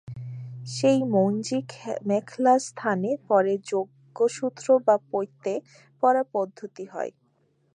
সেই মৌঞ্জিমেখলার স্থানে পরে যজ্ঞসূত্র বা পৈতে পরার পদ্ধতি হয়।